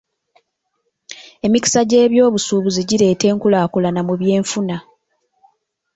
Emikisa gyeby'obusuubuzi gireeta enkulaakulana mu by'enfuna..